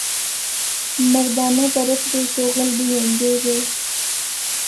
مردانہ طرف دے شغل بھی ہوندے وے۔